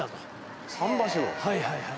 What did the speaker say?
はいはいはい。